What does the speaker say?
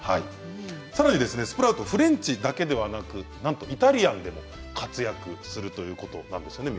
さらにスプラウトはフレンチだけではなくなんとイタリアンでも活躍するということなんですね。